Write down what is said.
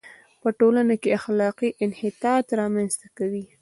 په ټولنه کې اخلاقي انحطاط را منځ ته کوي.